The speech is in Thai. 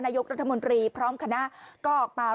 นายกรัฐมนตรีพร้อมคณะก็ออกมา